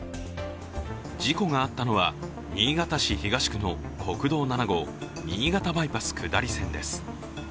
事故があったのは新潟市東区の国道７号新潟バイパス下り線です。